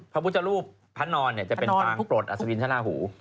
พระบุรุษรูปพระนอนจะเป็นปางโปรดอสุรินชราหู่